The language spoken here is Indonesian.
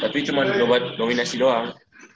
tapi cuma buat nominasi doang